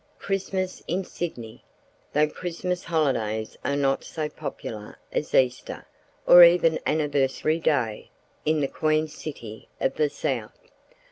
Christmas in Sydney, though Christmas holidays are not so popular as Easter, or even Anniversary Day, in the Queen city of the South.